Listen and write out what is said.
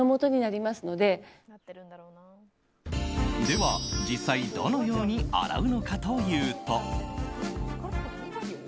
では、実際どのように洗うのかというと。